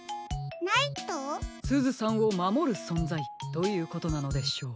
すずさんをまもるそんざいということなのでしょう。